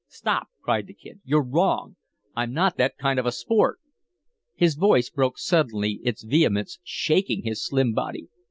"Stop!" cried the Kid. "You're wrong. I'm not that kind of a sport." His voice broke suddenly, its vehemence shaking his slim body.